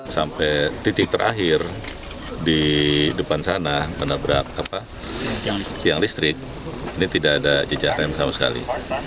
sampai titik terakhir di depan sana menabrak tiang listrik ini tidak ada jejak rem sama sekali